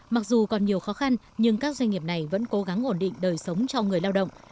mặc dù còn nhiều khó khăn nhưng các doanh nghiệp này vẫn cố gắng ổn định đời sống cho người lao động